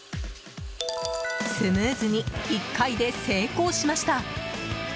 スムーズに１回で成功しました。